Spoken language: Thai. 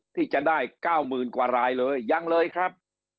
ที่จะได้๙๐๐๐กว่ารายเลยยังเลยครับ